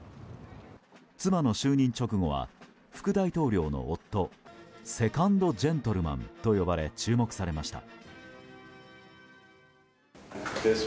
妻の就任直後は副大統領の夫セカンドジェントルマンと呼ばれ注目されました。